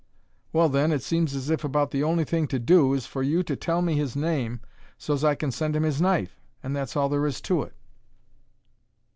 "Well, then, it seems as if about the only thing to do is for you to tell me his name so's I can send him his knife, and that's all there is to it."